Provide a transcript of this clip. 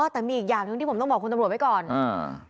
แต่มีอีกอย่างหนึ่งที่ผมต้องบอกคุณตำรวจไว้ก่อนอ่า